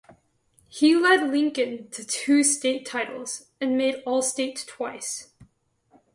He led Lincoln to two state titles, and made all-state twice.